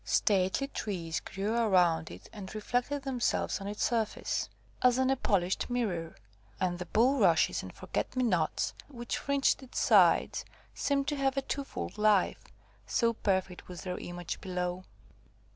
Stately trees grew around it and reflected themselves on its surface, as on a polished mirror; and the bulrushes and forget me nots which fringed its sides seemed to have a twofold life, so perfect was their image below.